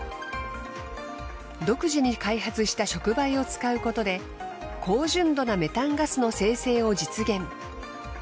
独自に開発した触媒を使うことで高純度なメタンガスの生成を実現。